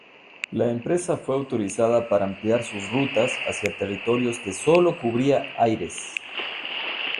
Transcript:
La empresa fue autorizada para ampliar sus rutas hacia territorios que sólo cubría Aires.